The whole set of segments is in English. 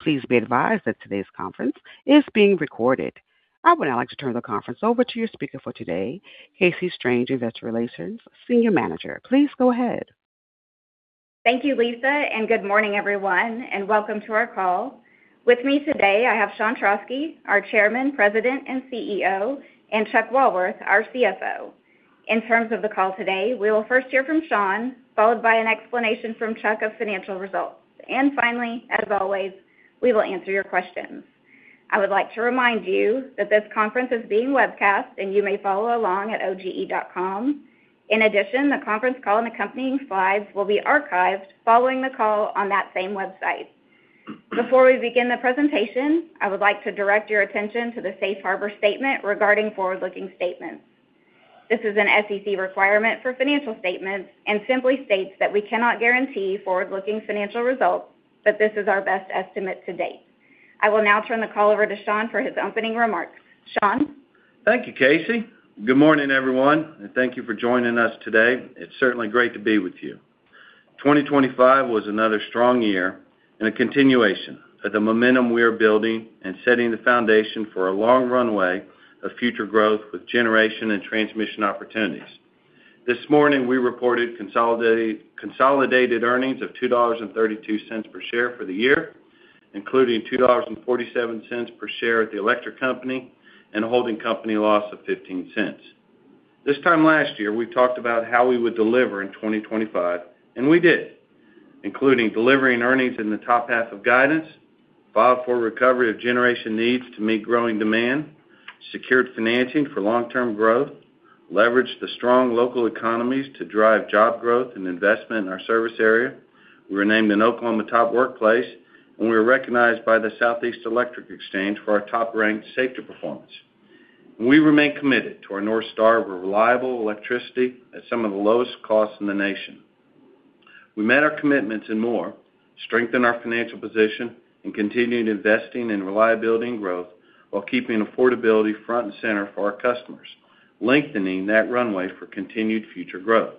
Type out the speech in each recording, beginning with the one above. Please be advised that today's conference is being recorded. I would now like to turn the conference over to your speaker for today, Casey Strange, Investor Relations Senior Manager. Please go ahead. Thank you, Lisa, and good morning, everyone, and welcome to our call. With me today, I have Sean Trauschke, our Chairman, President, and CEO, and Chuck Walworth, our CFO. In terms of the call today, we will first hear from Sean, followed by an explanation from Chuck of financial results. And finally, as always, we will answer your questions. I would like to remind you that this conference is being webcast and you may follow along at oge.com. In addition, the conference call and accompanying slides will be archived following the call on that same website. Before we begin the presentation, I would like to direct your attention to the Safe Harbor statement regarding forward-looking statements. This is an SEC requirement for financial statements and simply states that we cannot guarantee forward-looking financial results, but this is our best estimate to date. I will now turn the call over to Sean for his opening remarks. Sean? Thank you, Casey. Good morning, everyone, and thank you for joining us today. It's certainly great to be with you. 2025 was another strong year and a continuation of the momentum we are building and setting the foundation for a long runway of future growth with generation and transmission opportunities. This morning, we reported consolidated, consolidated earnings of $2.32 per share for the year, including $2.47 per share at the electric company and a holding company loss of $0.15. This time last year, we talked about how we would deliver in 2025, and we did, including delivering earnings in the top half of guidance, filed for recovery of generation needs to meet growing demand, secured financing for long-term growth, leveraged the strong local economies to drive job growth and investment in our service area. We were named an Oklahoma Top Workplace, and we were recognized by the Southeast Electric Exchange for our top-ranked safety performance. We remain committed to our North Star of reliable electricity at some of the lowest costs in the nation. We met our commitments and more, strengthened our financial position, and continued investing in reliability and growth while keeping affordability front and center for our customers, lengthening that runway for continued future growth.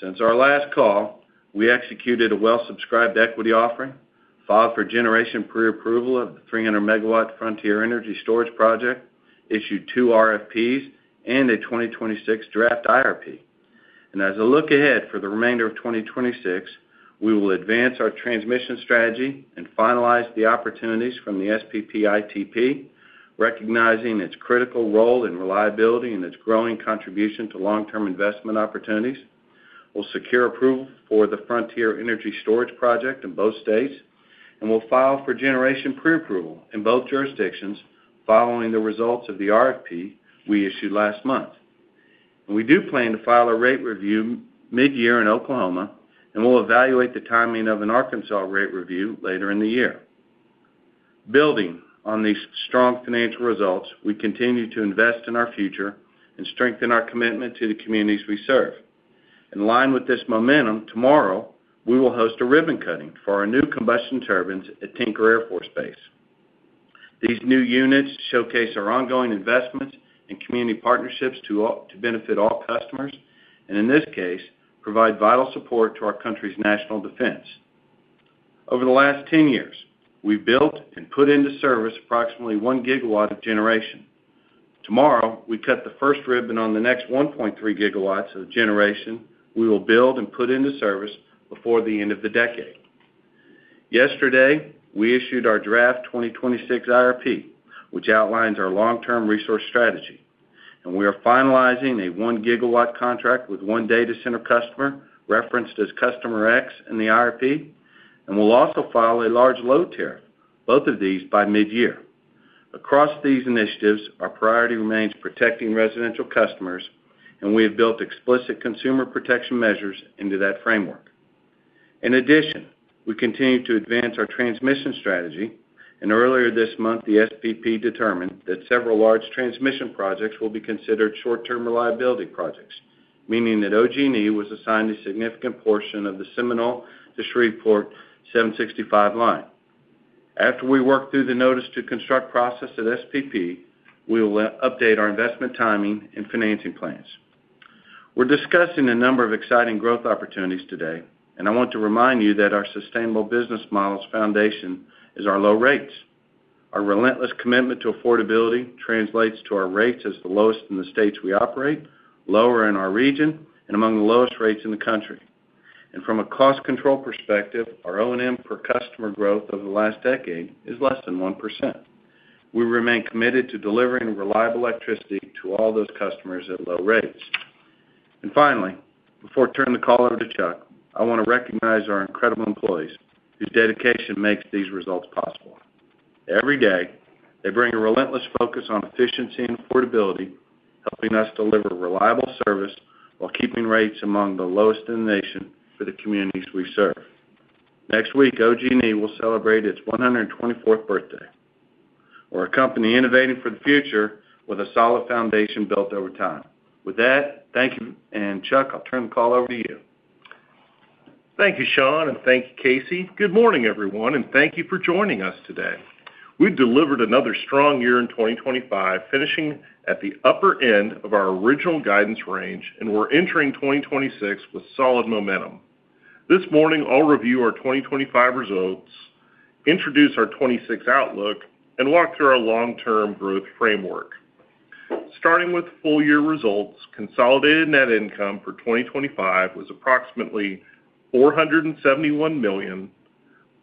Since our last call, we executed a well-subscribed equity offering, filed for generation pre-approval of the 300 MW Frontier Energy Storage Project, issued two RFPs and a 2026 draft IRP. As a look ahead for the remainder of 2026, we will advance our transmission strategy and finalize the opportunities from the SPP ITP, recognizing its critical role in reliability and its growing contribution to long-term investment opportunities. We'll secure approval for the Frontier Energy Storage Project in both states, and we'll file for generation pre-approval in both jurisdictions following the results of the RFP we issued last month. We do plan to file a rate review mid-year in Oklahoma, and we'll evaluate the timing of an Arkansas rate review later in the year. Building on these strong financial results, we continue to invest in our future and strengthen our commitment to the communities we serve. In line with this momentum, tomorrow, we will host a ribbon cutting for our new combustion turbines at Tinker Air Force Base. These new units showcase our ongoing investments and community partnerships to benefit all customers, and in this case, provide vital support to our country's national defense. Over the last 10 years, we've built and put into service approximately 1 gigawatt of generation. Tomorrow, we cut the first ribbon on the next 1.3 GW of generation we will build and put into service before the end of the decade. Yesterday, we issued our draft 2026 IRP, which outlines our long-term resource strategy, and we are finalizing a 1 GW contract with one data center customer, referenced as Customer X in the IRP, and we'll also file a large load tier, both of these by mid-year. Across these initiatives, our priority remains protecting residential customers, and we have built explicit consumer protection measures into that framework. In addition, we continue to advance our transmission strategy, and earlier this month, the SPP determined that several large transmission projects will be considered short-term reliability projects, meaning that OG&E was assigned a significant portion of the Seminole to Shreveport 765-kV line. After we work through the notice to construct process at SPP, we will update our investment timing and financing plans. We're discussing a number of exciting growth opportunities today, and I want to remind you that our sustainable business model's foundation is our low rates. Our relentless commitment to affordability translates to our rates as the lowest in the states we operate, lower in our region, and among the lowest rates in the country. From a cost control perspective, our O&M per customer growth over the last decade is less than 1%. We remain committed to delivering reliable electricity to all those customers at low rates. Finally, before I turn the call over to Chuck, I want to recognize our incredible employees, whose dedication makes these results possible. Every day, they bring a relentless focus on efficiency and affordability, helping us deliver reliable service while keeping rates among the lowest in the nation for the communities we serve. Next week, OG&E will celebrate its 124th birthday. We're a company innovating for the future with a solid foundation built over time. With that, thank you. And Chuck, I'll turn the call over to you. Thank you, Sean, and thank you, Casey. Good morning, everyone, and thank you for joining us today.... We've delivered another strong year in 2025, finishing at the upper end of our original guidance range, and we're entering 2026 with solid momentum. This morning, I'll review our 2025 results, introduce our 2026 outlook, and walk through our long-term growth framework. Starting with full year results, consolidated net income for 2025 was approximately $471 million,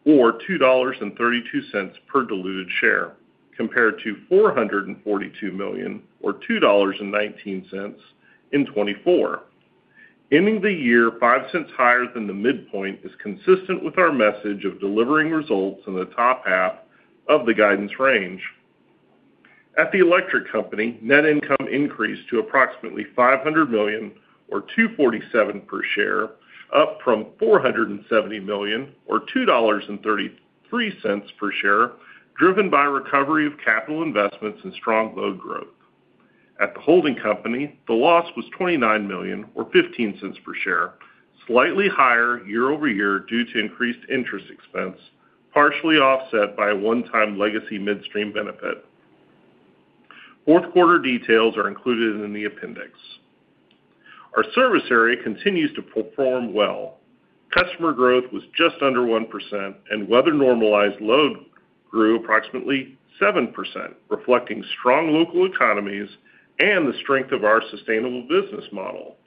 or $2.32 per diluted share, compared to $442 million, or $2.19 in 2024. Ending the year five cents higher than the midpoint is consistent with our message of delivering results in the top half of the guidance range. At the electric company, net income increased to approximately $500 million, or $2.47 per share, up from $470 million, or $2.33 per share, driven by recovery of capital investments and strong load growth. At the holding company, the loss was $29 million, or $0.15 per share, slightly higher year-over-year due to increased interest expense, partially offset by a one-time legacy midstream benefit. Fourth quarter details are included in the appendix. Our service area continues to perform well. Customer growth was just under 1%, and weather-normalized load grew approximately 7%, reflecting strong local economies and the strength of our sustainable business model,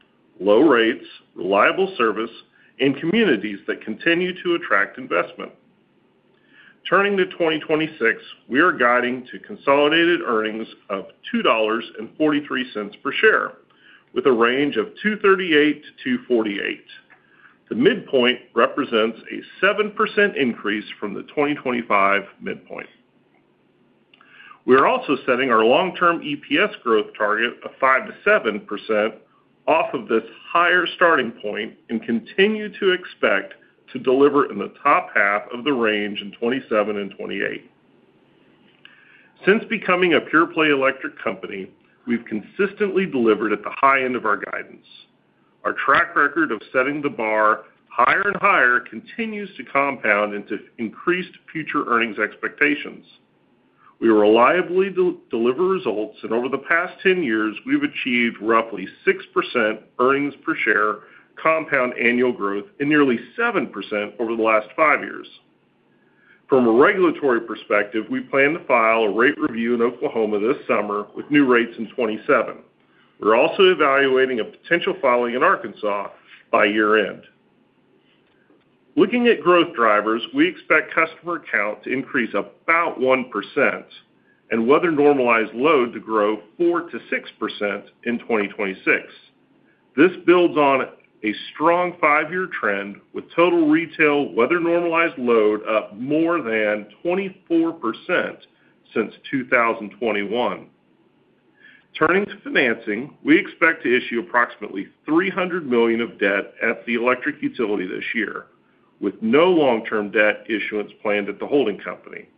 low rates, reliable service, and communities that continue to attract investment. Turning to 2026, we are guiding to consolidated earnings of $2.43 per share, with a range of $2.38-$2.48. The midpoint represents a 7% increase from the 2025 midpoint. We are also setting our long-term EPS growth target of 5%-7% off of this higher starting point and continue to expect to deliver in the top half of the range in 2027 and 2028. Since becoming a pure-play electric company, we've consistently delivered at the high end of our guidance. Our track record of setting the bar higher and higher continues to compound into increased future earnings expectations. We reliably deliver results, and over the past 10 years, we've achieved roughly 6% earnings per share compound annual growth, and nearly 7% over the last five years. From a regulatory perspective, we plan to file a rate review in Oklahoma this summer with new rates in 2027. We're also evaluating a potential filing in Arkansas by year-end. Looking at growth drivers, we expect customer count to increase about 1% and weather-normalized load to grow 4%-6% in 2026. This builds on a strong five-year trend, with total retail weather-normalized load up more than 24% since 2021. Turning to financing, we expect to issue approximately $300 million of debt at the electric utility this year, with no long-term debt issuance planned at the holding company.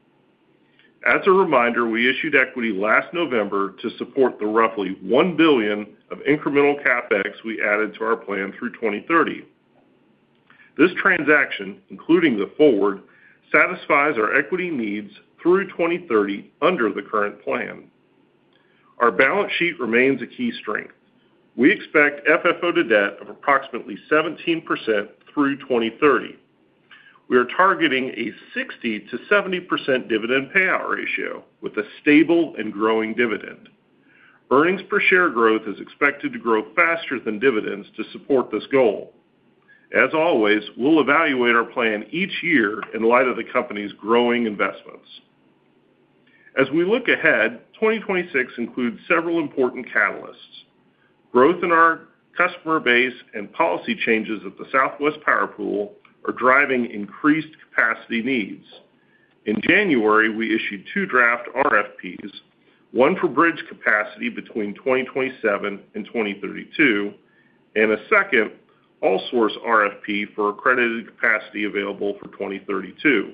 As a reminder, we issued equity last November to support the roughly $1 billion of incremental CapEx we added to our plan through 2030. This transaction, including the forward, satisfies our equity needs through 2030 under the current plan. Our balance sheet remains a key strength. We expect FFO to Debt of approximately 17% through 2030. We are targeting a 60%-70% dividend payout ratio with a stable and growing dividend. Earnings per share growth is expected to grow faster than dividends to support this goal. As always, we'll evaluate our plan each year in light of the company's growing investments. As we look ahead, 2026 includes several important catalysts. Growth in our customer base and policy changes at the Southwest Power Pool are driving increased capacity needs. In January, we issued two draft RFPs, one for bridge capacity between 2027 and 2032, and a second all-source RFP for accredited capacity available for 2032.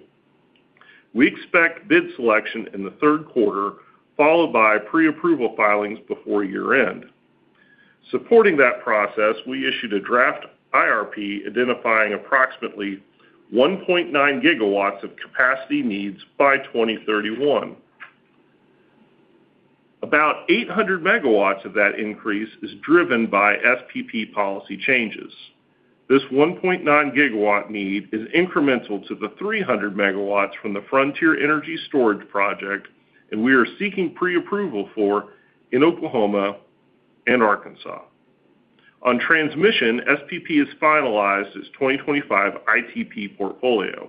We expect bid selection in the third quarter, followed by pre-approval filings before year-end. Supporting that process, we issued a draft IRP identifying approximately 1.9 GW of capacity needs by 2031. About 800 MW of that increase is driven by SPP policy changes. This 1.9 GW need is incremental to the 300 MW from the Frontier Energy Storage Project, and we are seeking pre-approval for in Oklahoma and Arkansas. On transmission, SPP has finalized its 2025 ITP portfolio.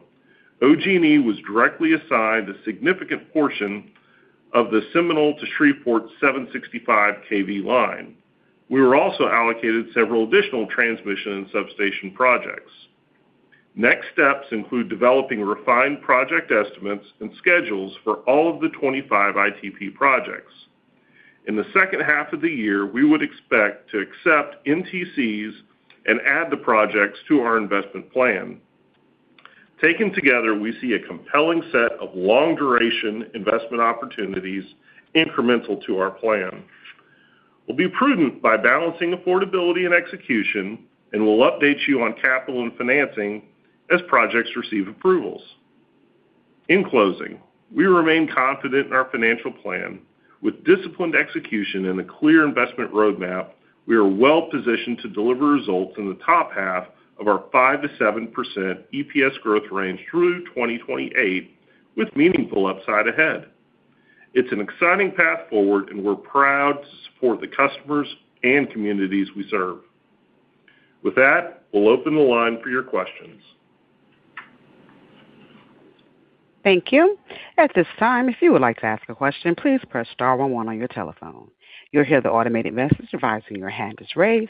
OG&E was directly assigned a significant portion of the Seminole to Shreveport 765 kV line. We were also allocated several additional transmission and substation projects. Next steps include developing refined project estimates and schedules for all of the 25 ITP projects. In the second half of the year, we would expect to accept NTCs and add the projects to our investment plan. Taken together, we see a compelling set of long-duration investment opportunities incremental to our plan... We'll be prudent by balancing affordability and execution, and we'll update you on capital and financing as projects receive approvals. In closing, we remain confident in our financial plan. With disciplined execution and a clear investment roadmap, we are well-positioned to deliver results in the top half of our 5%-7% EPS growth range through 2028, with meaningful upside ahead. It's an exciting path forward, and we're proud to support the customers and communities we serve. With that, we'll open the line for your questions. Thank you. At this time, if you would like to ask a question, please press star one one on your telephone. You'll hear the automated message advising your hand is raised.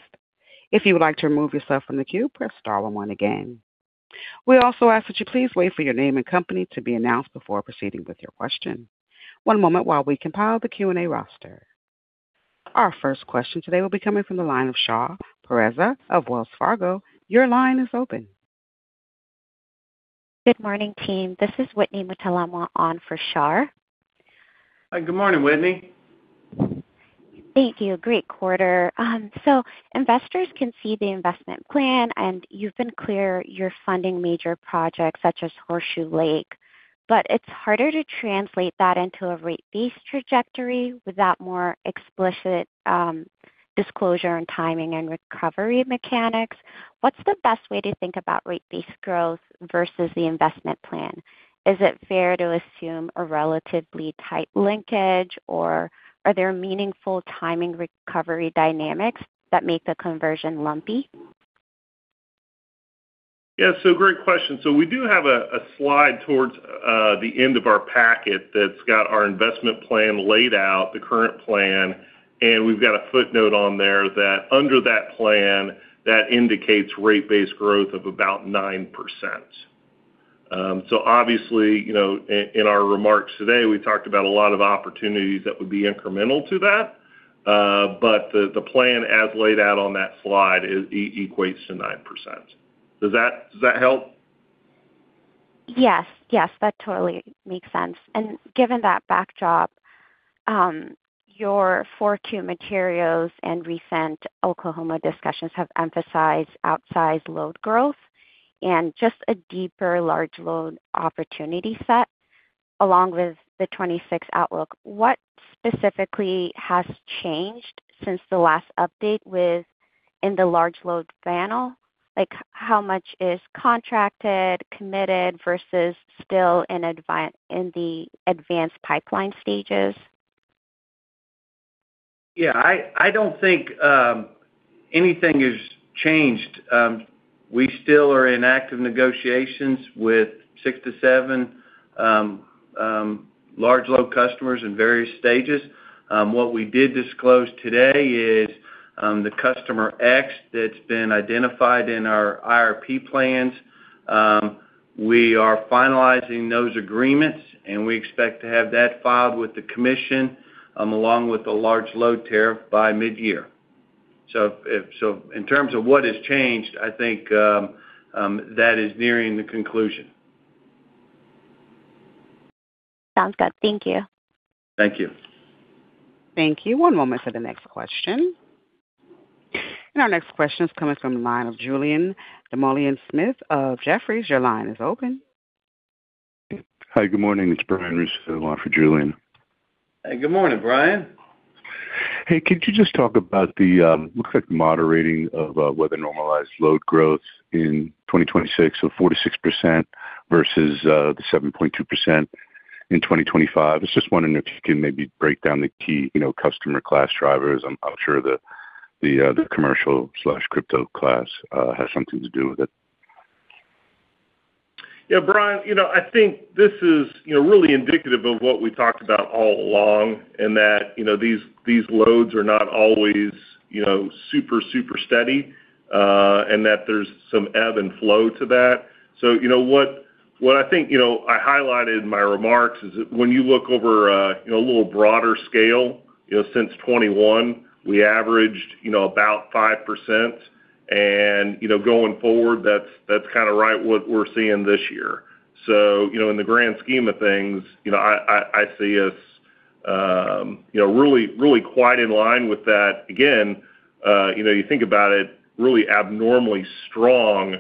If you would like to remove yourself from the queue, press star one one again. We also ask that you please wait for your name and company to be announced before proceeding with your question. One moment while we compile the Q&A roster. Our first question today will be coming from the line of Shar Pourreza of Wells Fargo. Your line is open. Good morning, team. This is Whitney Mutalemwa on for Shar. Hi, good morning, Whitney. Thank you. Great quarter. Investors can see the investment plan, and you've been clear you're funding major projects such as Horseshoe Lake. It's harder to translate that into a rate base trajectory without more explicit disclosure on timing and recovery mechanics. What's the best way to think about rate base growth versus the investment plan? Is it fair to assume a relatively tight linkage, or are there meaningful timing recovery dynamics that make the conversion lumpy? Yes, so great question. So we do have a slide towards the end of our packet that's got our investment plan laid out, the current plan, and we've got a footnote on there that under that plan, that indicates rate-based growth of about 9%. So obviously, you know, in our remarks today, we talked about a lot of opportunities that would be incremental to that. But the plan as laid out on that slide equates to 9%. Does that help? Yes. Yes, that totally makes sense. And given that backdrop, your 42 materials and recent Oklahoma discussions have emphasized outsized load growth and just a deeper large load opportunity set, along with the 2026 outlook. What specifically has changed since the last update within the large load panel? Like, how much is contracted, committed, versus still in the advanced pipeline stages? Yeah, I don't think anything has changed. We still are in active negotiations with six to seven large load customers in various stages. What we did disclose today is the customer X that's been identified in our IRP plans. We are finalizing those agreements, and we expect to have that filed with the commission along with a large load tariff by mid-year. So if—so in terms of what has changed, I think that is nearing the conclusion. Sounds good. Thank you. Thank you. Thank you. One moment for the next question. Our next question is coming from the line of Julian Dumoulin-Smith of Jefferies. Your line is open. Hi, good morning. It's Brian Russo, line for Julian. Hey, good morning, Brian. Hey, could you just talk about the looks like the moderating of weather-normalized load growth in 2026, so 46% versus the 7.2% in 2025? I was just wondering if you can maybe break down the key, you know, customer class drivers. I'm sure the commercial slash crypto class has something to do with it. Yeah, Brian, you know, I think this is, you know, really indicative of what we talked about all along, in that, you know, these, these loads are not always, you know, super, super steady, and that there's some ebb and flow to that. So, you know what? What I think, you know, I highlighted in my remarks is that when you look over a, you know, little broader scale, you know, since 2021, we averaged, you know, about 5% and, you know, going forward, that's, that's kind of right what we're seeing this year. So, you know, in the grand scheme of things, you know, I, I, I see us, you know, really, really quite in line with that. Again, you know, you think about it, really abnormally strong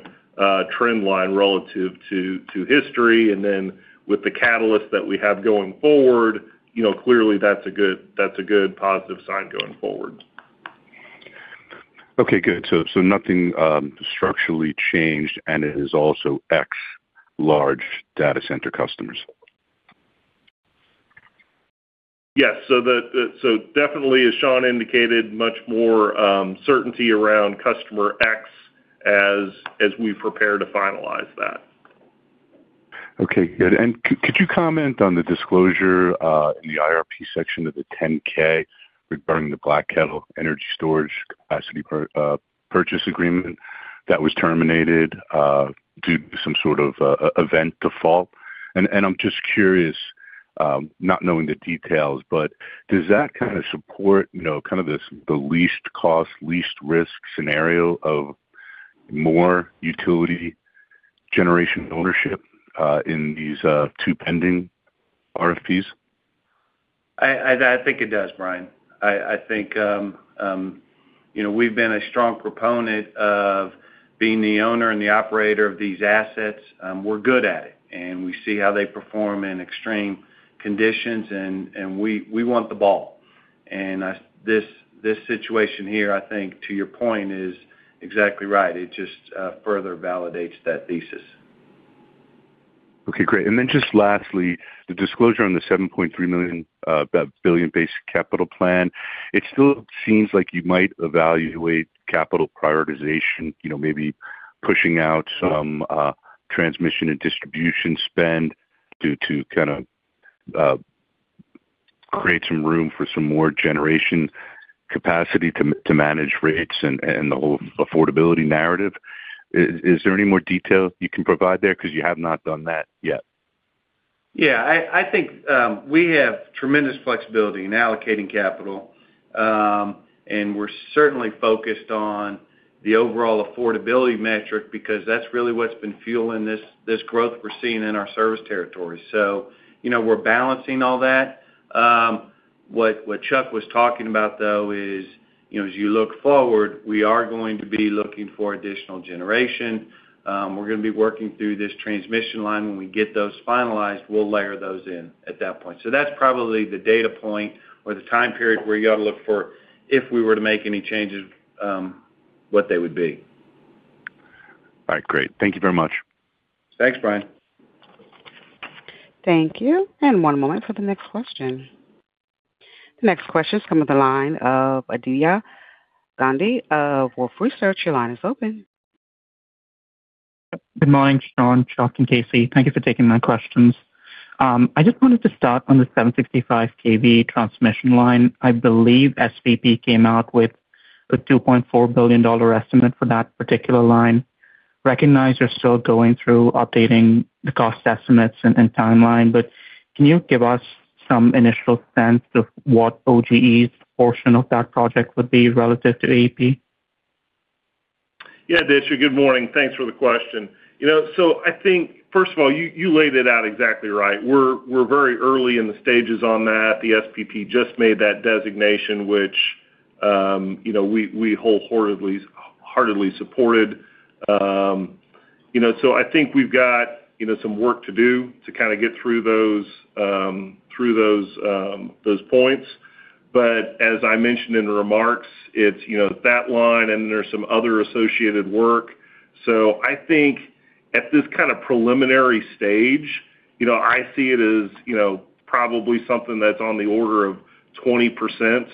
trend line relative to history, and then with the catalyst that we have going forward, you know, clearly that's a good, that's a good positive sign going forward. Okay, good. So, nothing, structurally changed, and it is also X large data center customers? Yes. So definitely, as Sean indicated, much more certainty around customer X as we prepare to finalize that. Okay, good. And could you comment on the disclosure in the IRP section of the 10-K regarding the Black Kettle Energy Storage capacity purchase agreement that was terminated due to some sort of event of default? And I'm just curious, not knowing the details, but does that kind of support, you know, kind of this, the least cost, least risk scenario of more utility generation ownership in these two pending RFPs? I think it does, Brian. I think, you know, we've been a strong proponent of being the owner and the operator of these assets. We're good at it, and we see how they perform in extreme conditions, and we want the ball. And this situation here, I think, to your point, is exactly right. It just further validates that thesis. Okay, great. And then just lastly, the disclosure on the $7.3 billion base capital plan, it still seems like you might evaluate capital prioritization, you know, maybe pushing out some transmission and distribution spend due to kind of create some room for some more generation capacity to manage rates and the whole affordability narrative. Is there any more detail you can provide there? Because you have not done that yet. Yeah, I think we have tremendous flexibility in allocating capital, and we're certainly focused on the overall affordability metric, because that's really what's been fueling this growth we're seeing in our service territory. So, you know, we're balancing all that. What Chuck was talking about, though, is, you know, as you look forward, we are going to be looking for additional generation. We're going to be working through this transmission line. When we get those finalized, we'll layer those in at that point. So that's probably the data point or the time period where you ought to look for, if we were to make any changes, what they would be. All right. Great. Thank you very much. Thanks, Brian. Thank you, and one moment for the next question. The next question is coming to the line of Aditya Gandhi of Wolfe Research. Your line is open. Good morning, Sean, Chuck, and Casey. Thank you for taking my questions. I just wanted to start on the 765 kV transmission line. I believe SPP came out with a $2.4 billion estimate for that particular line. Recognize you're still going through updating the cost estimates and timeline, but can you give us some initial sense of what OGE's portion of that project would be relative to AEP? Yeah, Aditya, good morning. Thanks for the question. You know, so I think, first of all, you laid it out exactly right. We're very early in the stages on that. The SPP just made that designation, which, you know, we wholeheartedly supported. You know, so I think we've got, you know, some work to do to kind of get through those points. But as I mentioned in the remarks, it's, you know, that line and there's some other associated work. So I think at this kind of preliminary stage, you know, I see it as, you know, probably something that's on the order of 20%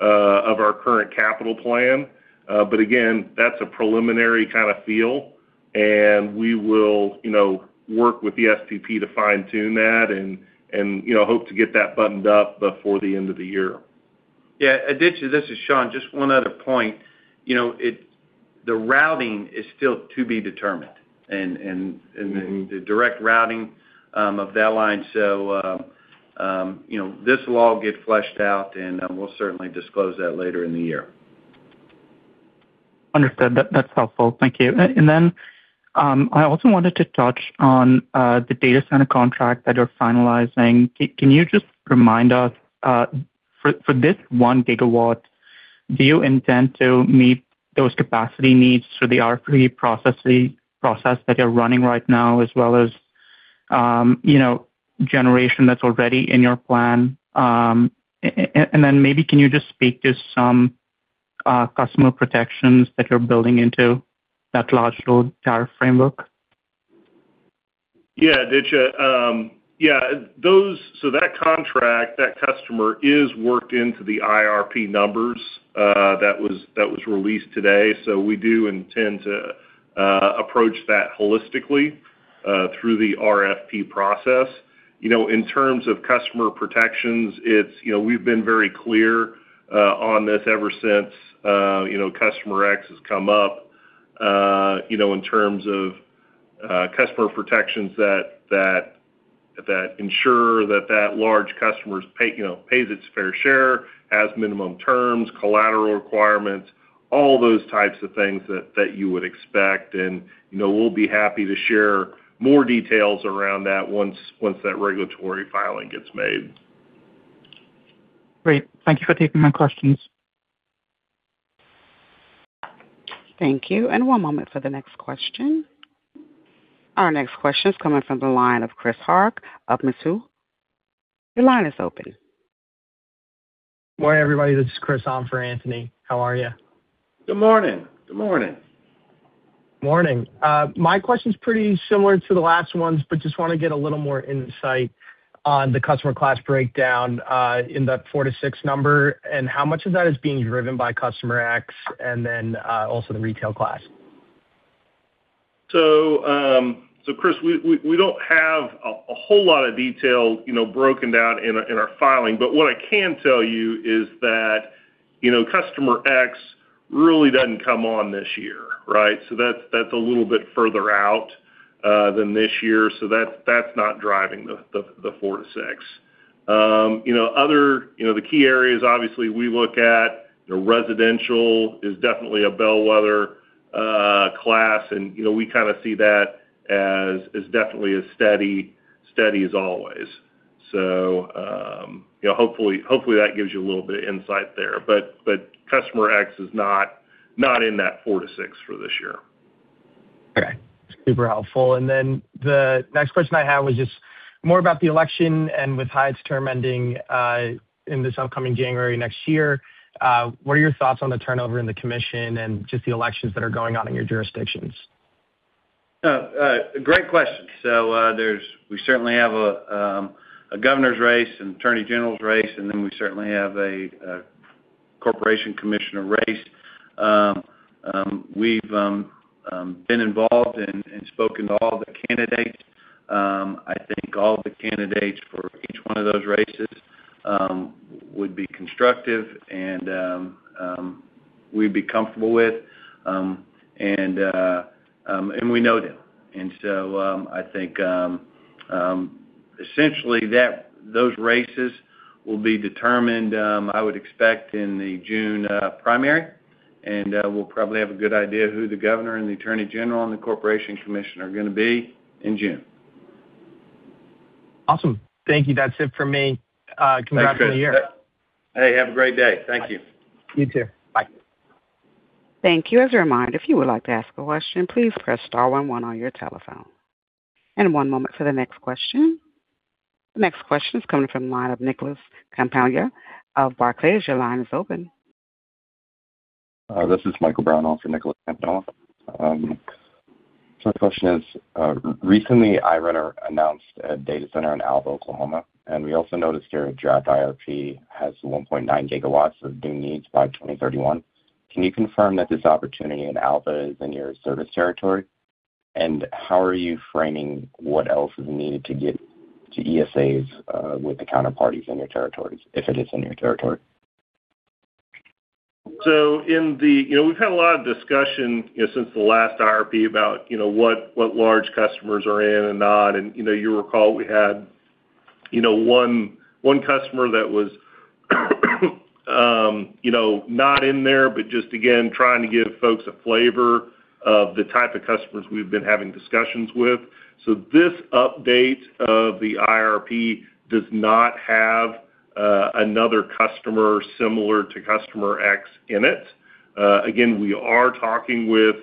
of our current capital plan. But again, that's a preliminary kind of feel, and we will, you know, work with the SPP to fine-tune that and, you know, hope to get that buttoned up before the end of the year. Yeah, Aditya, this is Sean. Just one other point. You know, the routing is still to be determined and the direct routing of that line. So, you know, this will all get fleshed out, and we'll certainly disclose that later in the year. Understood. That's helpful. Thank you. And then, I also wanted to touch on the data center contract that you're finalizing. Can you just remind us for this 1 gigawatt, do you intend to meet those capacity needs through the RFP process that you're running right now, as well as, you know, generation that's already in your plan? And then maybe can you just speak to some customer protections that you're building into that large load tariff framework? Yeah, Aditya. Yeah, those so that contract, that customer, is worked into the IRP numbers, that was, that was released today. So we do intend to approach that holistically through the RFP process. You know, in terms of customer protections, it's, you know, we've been very clear on this ever since, you know, Customer X has come up, you know, in terms of customer protections that, that, that ensure that that large customer's pay, you know, pays its fair share, has minimum terms, collateral requirements, all those types of things that, that you would expect. And, you know, we'll be happy to share more details around that once, once that regulatory filing gets made. Great. Thank you for taking my questions. Thank you. And one moment for the next question. Our next question is coming from the line of Chris Hark of Mizuho. Your line is open. Good morning, everybody. This is Chris on for Anthony. How are you? Good morning. Good morning. Morning. My question's pretty similar to the last ones, but just want to get a little more insight on the customer class breakdown, in that four to six number, and how much of that is being driven by Customer X, and then, also the retail class? So, so Chris, we don't have a whole lot of detail, you know, broken down in our filing, but what I can tell you is that, you know, Customer X really doesn't come on this year, right? So that's a little bit further out than this year, so that's not driving the four to six. You know, the key areas, obviously, we look at, you know, residential is definitely a bellwether class, and, you know, we kind of see that as definitely as steady as always. So, you know, hopefully that gives you a little bit of insight there. But customer X is not in that four to six for this year. Okay. Super helpful. And then the next question I had was just more about the election and with Hiett term ending, in this upcoming January next year. What are your thoughts on the turnover in the commission and just the elections that are going on in your jurisdictions? Great question. So, there's we certainly have a governor's race, an attorney general's race, and then we certainly have a corporation commissioner race. We've been involved and spoken to all the candidates. I think all the candidates for each one of those races would be constructive and we'd be comfortable with and we know them. And so, I think essentially that those races will be determined I would expect in the June primary and we'll probably have a good idea of who the governor and the attorney general and the corporation commissioner are going to be in June. Awesome. Thank you. That's it for me. Congrats on the year. Thanks. Hey, have a great day. Thank you. You too. Bye. Thank you. As a reminder, if you would like to ask a question, please press star one one on your telephone. One moment for the next question. The next question is coming from the line of Nicholas Campanella of Barclays. Your line is open. This is Michael Brown for Nicholas Campanella. The question is, recently, Ira announced a data center in Alva, Oklahoma, and we also noticed your draft IRP has 1.9 GW of new needs by 2031. Can you confirm that this opportunity in Alva is in your service territory? And how are you framing what else is needed to get to ESAs with the counterparties in your territories, if it is in your territory? So, you know, we've had a lot of discussion, you know, since the last IRP about, you know, what large customers are in and not, and, you know, you recall we had, you know, one customer that was, you know, not in there, but just again, trying to give folks a flavor of the type of customers we've been having discussions with. So this update of the IRP does not have another customer similar to customer X in it. Again, we are talking with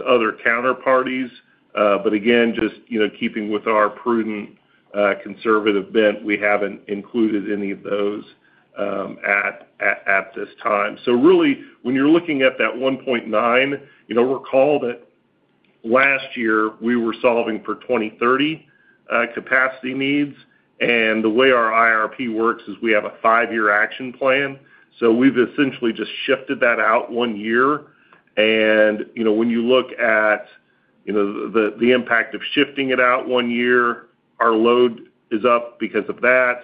other counterparties, but again, just, you know, keeping with our prudent, conservative bent, we haven't included any of those at this time. So really, when you're looking at that 1.9, you know, recall that last year we were solving for 2030, capacity needs, and the way our IRP works is we have a five-year action plan. So we've essentially just shifted that out one year. And, you know, when you look at, you know, the, the impact of shifting it out one year, our load is up because of that.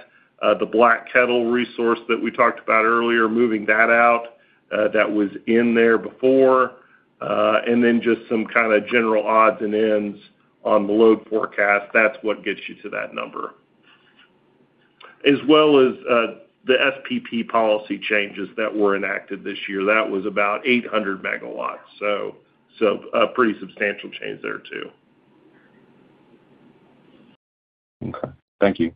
The Black Kettle resource that we talked about earlier, moving that out, that was in there before, and then just some kind of general odds and ends on the load forecast, that's what gets you to that number. As well as, the SPP policy changes that were enacted this year. That was about 800 MW, so, so a pretty substantial change there, too. Okay, thank you.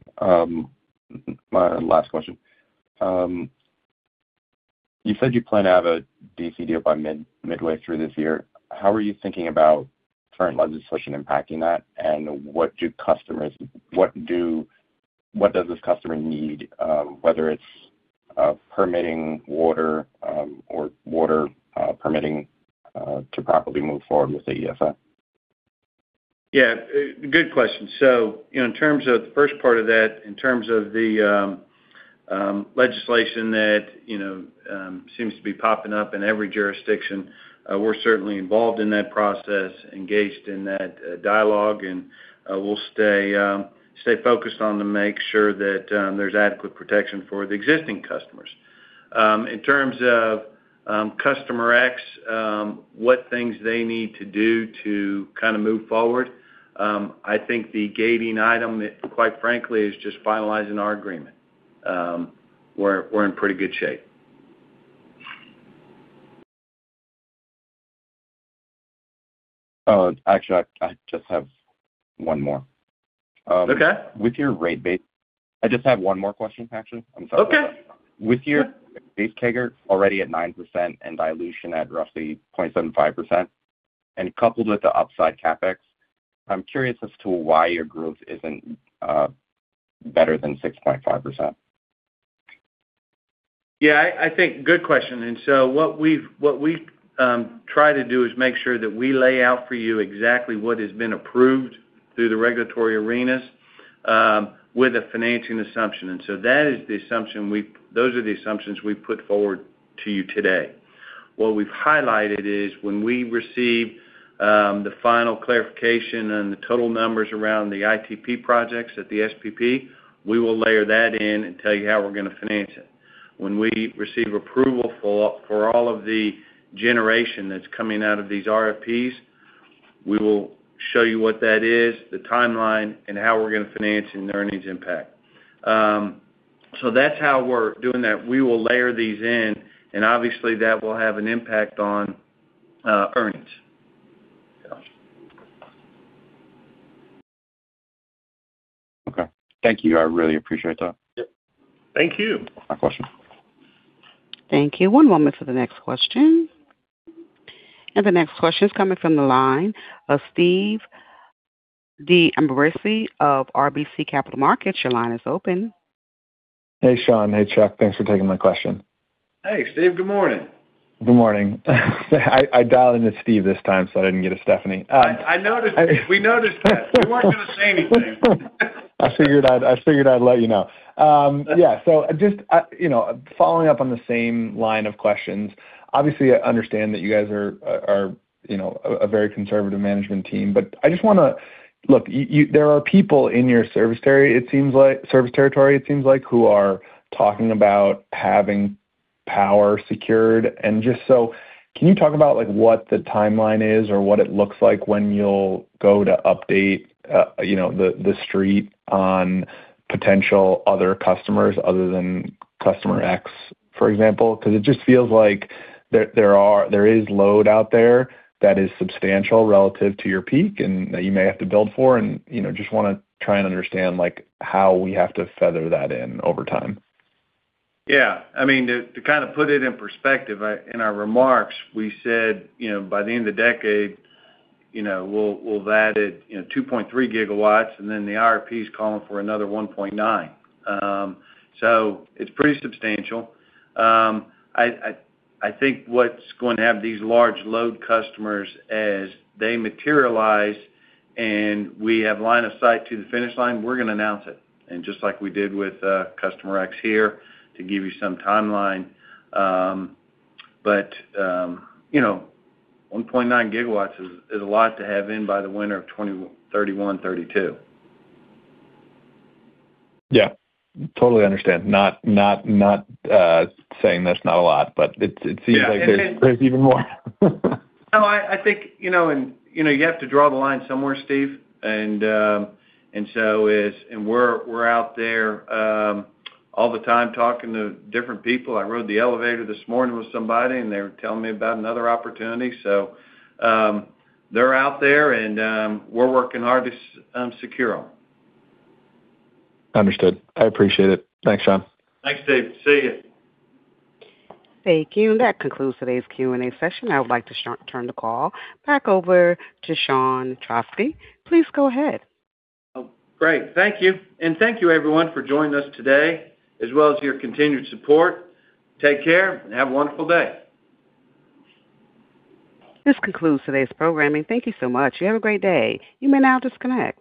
My last question. You said you plan to have a DC deal by midway through this year. How are you thinking about current legislation impacting that? And what does this customer need, whether it's permitting water or water permitting to properly move forward with the ESA? Yeah, good question. So, in terms of the first part of that, in terms of the legislation that, you know, seems to be popping up in every jurisdiction, we're certainly involved in that process, engaged in that dialogue, and we'll stay focused on to make sure that there's adequate protection for the existing customers. In terms of customer X, what things they need to do to kind of move forward, I think the gating item, quite frankly, is just finalizing our agreement. We're in pretty good shape. Actually, I just have one more. Okay. With your rate base, I just have one more question, actually. I'm sorry. Okay. With your base CAGR already at 9% and dilution at roughly 0.75%, and coupled with the upside CapEx, I'm curious as to why your growth isn't better than 6.5%. Yeah, I think good question. And so what we try to do is make sure that we lay out for you exactly what has been approved through the regulatory arenas with a financing assumption. And so that is the assumption. Those are the assumptions we've put forward to you today. What we've highlighted is when we receive the final clarification and the total numbers around the ITP projects at the SPP, we will layer that in and tell you how we're going to finance it. When we receive approval for all of the generation that's coming out of these RFPs-... We will show you what that is, the timeline, and how we're going to finance and the earnings impact. That's how we're doing that. We will layer these in, and obviously, that will have an impact on, earnings. Yeah. Okay. Thank you. I really appreciate that. Yep. Thank you. My question. Thank you. One moment for the next question. The next question is coming from the line of Steve D'Ambrisi of RBC Capital Markets. Your line is open. Hey, Sean. Hey, Chuck. Thanks for taking my question. Hey, Steve. Good morning. Good morning. I dialed into Steve this time, so I didn't get a Stephanie. I noticed. We noticed that. We weren't gonna say anything. I figured I'd let you know. Yeah, so just, you know, following up on the same line of questions. Obviously, I understand that you guys are, you know, a very conservative management team, but I just wanna. Look, you, you, there are people in your service territory, it seems like, who are talking about having power secured. And just so, can you talk about, like, what the timeline is or what it looks like when you'll go to update, you know, the street on potential other customers other than customer X, for example? Because it just feels like there is load out there that is substantial relative to your peak and that you may have to build for and, you know, just wanna try and understand, like, how we have to feather that in over time. Yeah. I mean, to kind of put it in perspective, in our remarks, we said, you know, by the end of the decade, you know, we'll have added, you know, 2.3 GW, and then the RFP is calling for another 1.9. So it's pretty substantial. I think what's going to have these large load customers as they materialize, and we have line of sight to the finish line, we're going to announce it. And just like we did with customer X here, to give you some timeline, but you know, 1.9 GW is a lot to have in by the winter of 2031-2032. Yeah, totally understand. Not, not, not saying that's not a lot, but it, it seems- Yeah like there's, there's even more. No, I think, you know, you have to draw the line somewhere, Steve. And we're out there all the time talking to different people. I rode the elevator this morning with somebody, and they were telling me about another opportunity. So, they're out there, and we're working hard to secure them. Understood. I appreciate it. Thanks, Sean. Thanks, Steve. See you. Thank you. That concludes today's Q&A session. I would like to turn the call back over to Sean Trauschke. Please go ahead. Oh, great. Thank you. Thank you, everyone, for joining us today, as well as your continued support. Take care and have a wonderful day. This concludes today's programming. Thank you so much. You have a great day. You may now disconnect.